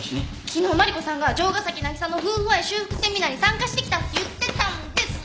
昨日マリコさんが城ヶ崎渚の夫婦愛修復セミナーに参加してきたって言ってたんですよ！